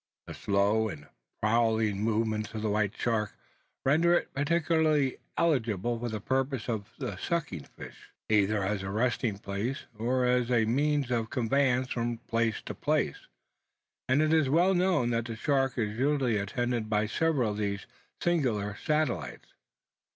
The slow and prowling movements of the white shark, render it particularly eligible for the purposes of the sucking fish, either as a resting place or a means of conveyance from place to place; and it is well known that the shark is usually attended by several of these singular satellites.